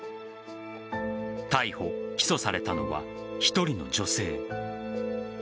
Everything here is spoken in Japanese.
逮捕・起訴されたのは１人の女性。